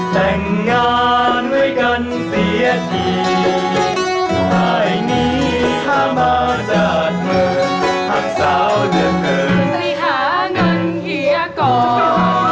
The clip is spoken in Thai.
แต่งงานไว้กันเสียทีหลายนี้ข้ามาจัดเผินหักสาวเดือนเกินสริหาเงินเฮียก่อน